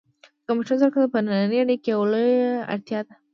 د کمپیوټر زده کړه په نننۍ نړۍ کې یوه لویه اړتیا ده.